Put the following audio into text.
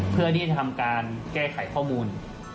เพื่อที่จะทำการแก้ไขข้อมูล